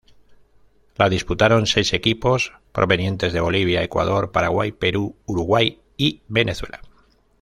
La disputaron seis equipos provenientes de Bolivia, Ecuador, Paraguay, Perú, Uruguay y Venezuela.